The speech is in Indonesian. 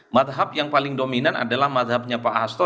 madhab yang paling dominan adalah mazhabnya pak hasto